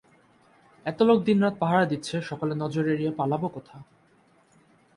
এতলোক দিনরাত পাহারা দিচ্ছে, সকলের নজর এড়িয়ে পালাব কোথা?